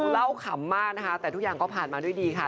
พอก็ว่าลูกพามาทำไมเนี่ย